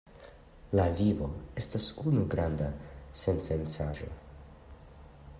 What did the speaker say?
La vivo estas unu granda sensencaĵo.